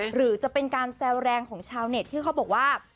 หรือจะเป็นการแซวแรงของชาวเน็ตที่เขาบอกว่า